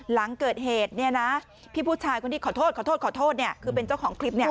หลังเกิดเหตุนี่นะพี่ผู้ชายคนนี้ขอโทษคือเป็นเจ้าของคลิปเนี่ย